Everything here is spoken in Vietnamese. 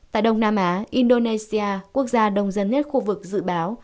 tại đông nam á indonesia quốc gia đông dân nhất khu vực dự báo